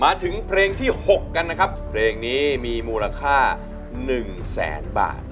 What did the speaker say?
มาถึงเพลงที่๖กันนะครับเพลงนี้มีมูลค่า๑แสนบาท